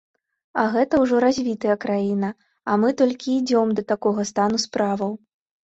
Але гэта ўжо развітая краіна, а мы толькі ідзём да такога стану справаў.